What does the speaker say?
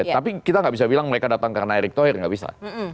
tapi kita nggak bisa bilang mereka datang karena erick thohir nggak bisa